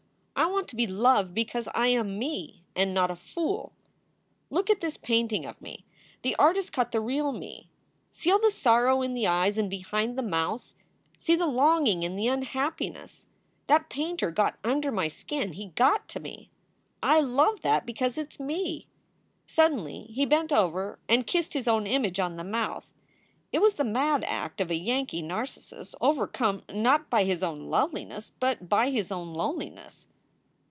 I want to be loved because I am Me and not a fool. "Look at this painting of me. The artist caught the real me. See all the sorrow in the eyes and behind the mouth. See the longing and the unhappiness ? That painter got under my skin. He got to me. I love that because it s me." Suddenly he bent over and kissed his own image on the mouth. It was the mad act of a Yankee Narcissus over come not by his own loveliness, but by his own loneliness.